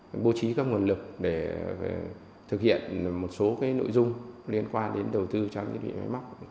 cũng bố trí các nguồn lực để thực hiện một số nội dung liên quan đến đầu tư cho huyện máy móc